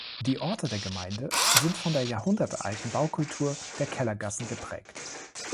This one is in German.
Die Orte der Gemeinde sind von der jahrhundertealten Baukultur der Kellergassen geprägt.